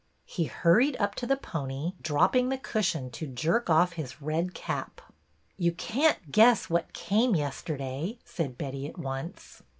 He hurried up to the pony, dropping the cushion to jerk off his red cap. You can't guess what came yesterday," said Betty, at once.